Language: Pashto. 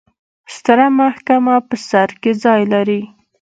ستره محکمه په سر کې ځای لري.